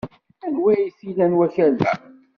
Anwa ay t-ilan wakal-a?